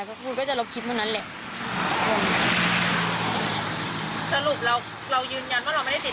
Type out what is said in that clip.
สรุปเรายืนยันว่าเราไม่ได้ติดต่างของจริง